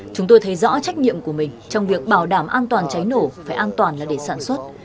chúng tôi thấy rõ trách nhiệm của mình trong việc bảo đảm an toàn cháy nổ phải an toàn là để sản xuất